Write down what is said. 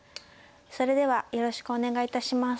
それではよろしくお願いいたします。